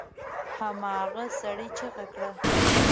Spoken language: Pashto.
هماغه سړي چيغه کړه!